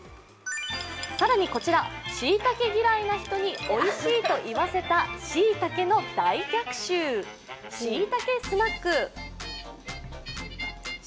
更にこちら、しいたけ嫌いな人に美味しいと言わせたしいたけの大逆襲しいたけスナック。